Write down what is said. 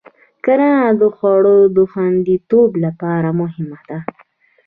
کرنه د خوړو د خوندیتوب لپاره مهمه ده.